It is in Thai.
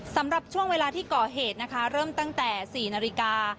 สำหรับช่วงเวลาที่ก่อเหตุนะคะเริ่มตั้งแต่๔นาฬิกา